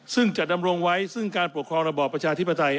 ซึ่งจะดำรงไว้ซึ่งการปกครองระบอบประชาธิปไตย